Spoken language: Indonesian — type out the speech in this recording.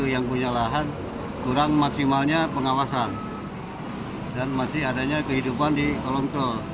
yang punya lahan kurang maksimalnya pengawasan dan masih adanya kehidupan di kolong tol